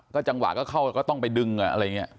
ก็จังหวะเข้าก็ต้องไปดึงอะไรเงี้ย